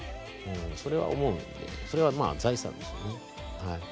それは思うのでそれは財産ですよね。